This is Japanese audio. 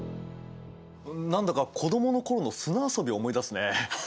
何だか子供の頃の砂遊びを思い出すね。